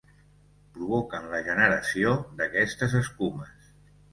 Provoquen la generació d'aquestes escumes.